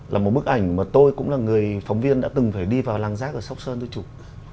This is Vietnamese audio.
là một bức ảnh mà tôi cũng là người phóng viên đã từng phải đi vào làng rác ở sóc sơn tôi chụp